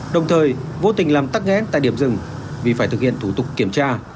đồng thời vô tình làm tắc nghẽn tại điểm rừng vì phải thực hiện thủ tục kiểm tra